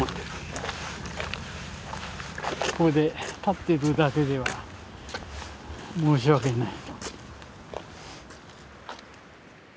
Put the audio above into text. ここで立ってるだけでは申し訳ない。